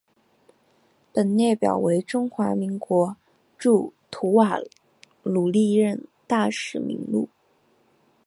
本列表为中华民国驻吐瓦鲁历任大使名录。